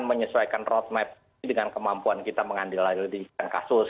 menyesuaikan roadmap ini dengan kemampuan kita mengandil lagi di kasus